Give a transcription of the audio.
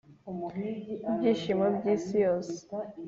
ibyishimo by'isi yose!